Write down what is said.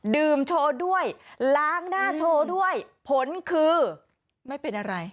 ดื่มโชว์ด้วยล้างหน้าโชว์ด้วยผลคือไม่เป็นอะไร